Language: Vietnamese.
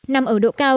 nằm ở độ cao